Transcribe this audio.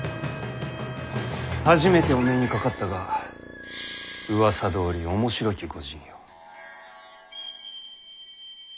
初めてお目にかかったがうわさどおり面白き御仁よ。